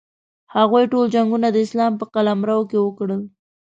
هغوی ټول جنګونه د اسلام په قلمرو کې وکړل.